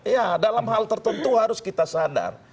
ya dalam hal tertentu harus kita sadar